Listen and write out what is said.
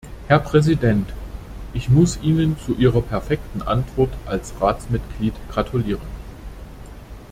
Herr Präsident, ich muss Ihnen zu Ihrer perfekten Antwort als Ratsmitglied gratulieren.